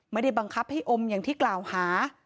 ไม่ได้บังคับให้อมอย่างที่กล่าวหา